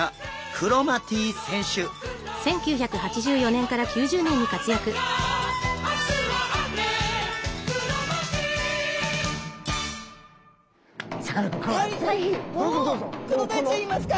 クロダイちゃんいますか？